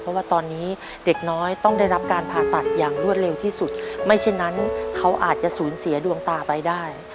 เพราะว่าตอนนี้เด็กน้อยต้องได้รับการผ่าตัดอย่างรวดเร็วที่สุดไม่เช่นนั้นเขาอาจจะสูญเสียดวงตาไปได้